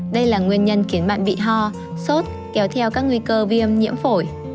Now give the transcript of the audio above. đây là nguyên nhân khiến bạn bị ho sốt kéo theo các nguy cơ viêm nhiễm phổi